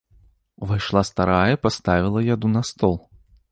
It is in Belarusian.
Увайшла старая і паставіла яду на стол.